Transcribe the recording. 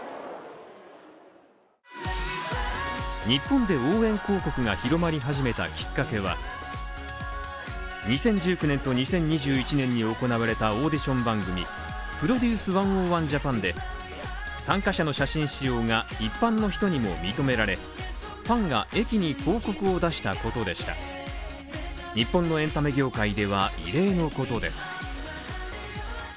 日本で応援広告が広まり始めたきっかけは２０１９年と２０２１年に行われたオーディション番組「ＰＲＯＤＵＣＥ１０１ＪＡＰＡＮ」で、参加者の写真使用が、一般の人にも認められ、ファンが駅に広告を出したことでした日本のエンタメ業界では異例のことです。